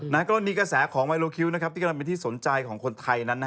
กรณีกระแสของไมโลคิวที่กำลังเป็นที่สนใจของคนไทยนั้น